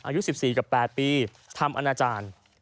อายุ๑๔กับ๘ปีทำอนาจารย์